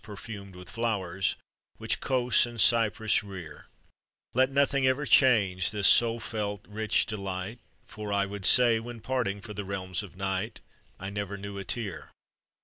perfumed with flowers Which Cos and Cyprus rear; Let nothing ever change this soul felt, rich delight; For I would say, when parting for the realms of night, I never knew a tear.